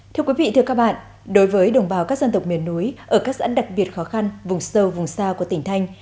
thưa quý vị thưa các bạn đối với đồng bào các dân tộc miền núi ở các xã đặc biệt khó khăn vùng sâu vùng xa của tỉnh thanh